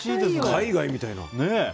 海外みたいな。